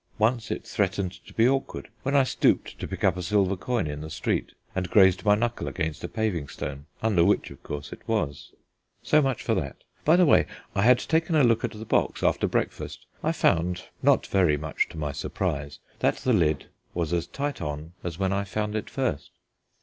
Once it threatened to be awkward, when I stooped to pick up a silver coin in the street, and grazed my knuckle against a paving stone, under which, of course, it was. So much for that. By the way, I had taken a look at the box after breakfast, I found (not very much to my surprise) that the lid was as tight on it as when I found it first.